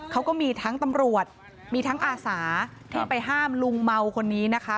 เขาก็มีทั้งตำรวจมีทั้งอาสาที่ไปห้ามลุงเมาคนนี้นะคะ